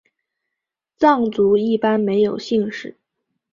藏族一般没有姓氏。